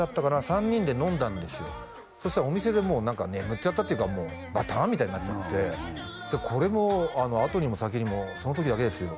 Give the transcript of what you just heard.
３人で飲んだんですよそしたらお店でもう眠っちゃったっていうかもうバタンみたいになっちゃってこれもあとにも先にもその時だけですよ